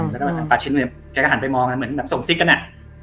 แล้วป่าชินแกก็หันไปมองเหมือนส่งซิกนั้น